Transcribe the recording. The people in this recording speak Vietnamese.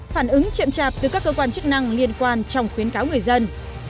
phản ứng chậm chạp từ các cơ quan chức năng liên quan trong khuyến cáo người dân